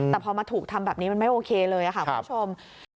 แต่พอมาถูกทำแบบนี้มันไม่โอเคเลยค่ะคุณผู้ชม